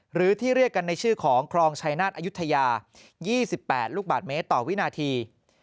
หรือที่เรียกกันในชื่อของครองชัยนาศอายุทยา๒๘ลูกบาทเมตรต่อวินาที